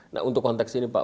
nah untuk konteks ini pak